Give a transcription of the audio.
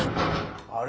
・あれ？